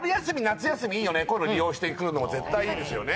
こういうの利用して来るのも絶対いいですよね